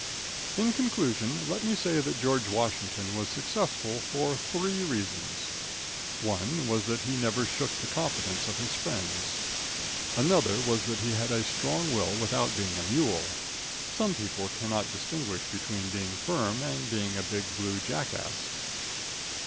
In conclusion, let me say that George Washington was successful for three reasons. One was that he never shook the confidence of his friends. Another was that he had a strong will without being a mule. Some people cannot distinguish between being firm and being a big blue jackass.